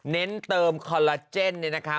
เน้นเติมคอลลาเจนเนี่ยนะคะ